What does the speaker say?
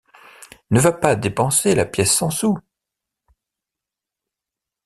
Ne va pas dépenser la pièce-cent-sous.